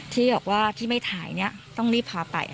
ที่บอกว่าที่ไม่ถ่ายเนี่ยต้องรีบพาไป